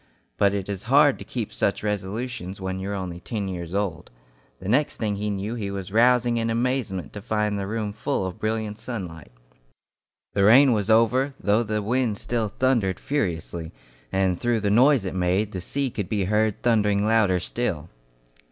But it is hard to keep such resolutions when you are only ten years old. The next thing he knew he was rousing in amazement to find the room full of brilliant sunlight. The rain was over, though the wind still thundered furiously, and through the noise it made, the sea could be heard thundering louder still.